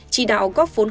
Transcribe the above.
chỉ đạo góp khống